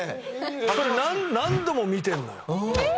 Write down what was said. それ何度も見てんのよ。